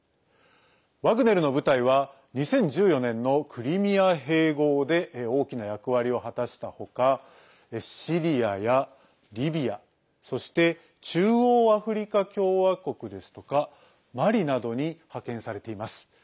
ワグネルの部隊は２０１４年のクリミア併合で大きな役割を果たしたほかシリアやリビア、そして中央アフリカ共和国ですとかマリなどに派遣されています。